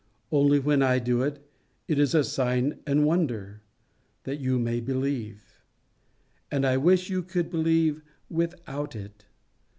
Only when I do it, it is a sign and a wonder that you may believe; and I wish you could believe without it.